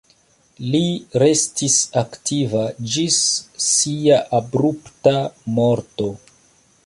Li restis aktiva ĝis sia abrupta morto.